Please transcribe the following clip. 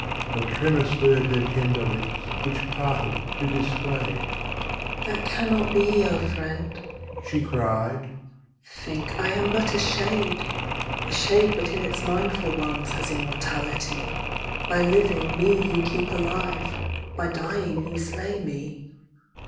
A tremor stirred her tender lips, Which parted to dissuade: "That cannot be, O friend," she cried; "Think, I am but a Shade! "A Shade but in its mindful ones Has immortality; By living, me you keep alive, By dying you slay me.